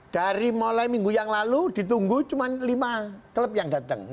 dari mulai minggu yang lalu ditunggu cuma lima klub yang datang